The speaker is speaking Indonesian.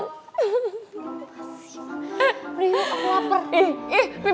lupa sih mama